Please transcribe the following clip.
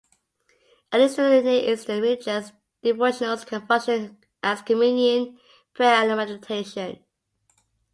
In Eastern and Near-Eastern religions, devotionals can function as communion prayer and meditation.